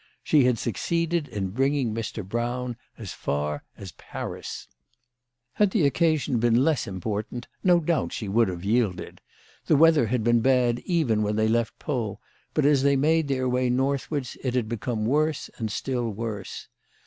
She had succeeded in bringing Mr. Brown as far as Paris. CHRISTMAS AT THOMPSON HALL. 205 Had the occasion been less important, no doubt she would have yielded. The weather had been bad even when they left Pau, but as they had made their way northwards it had become worse and still worse.